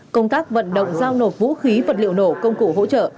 công tác vận động giao nộp vũ khí vật liệu nổ công cụ hỗ trợ